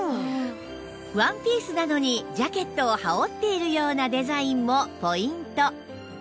ワンピースなのにジャケットを羽織っているようなデザインもポイント